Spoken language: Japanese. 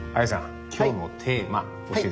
今日のテーマ教えて下さい。